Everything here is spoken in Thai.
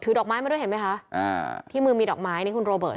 ดอกไม้มาด้วยเห็นไหมคะอ่าที่มือมีดอกไม้นี่คุณโรเบิร์